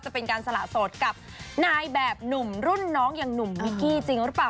จะเป็นการสละโสดกับนายแบบหนุ่มรุ่นน้องอย่างหนุ่มมิกกี้จริงหรือเปล่า